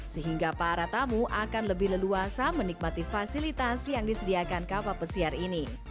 sehingga para tamu akan lebih leluasa menikmati fasilitasi yang disediakan kapal pesiar ini